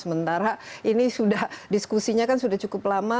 sementara ini sudah diskusinya kan sudah cukup lama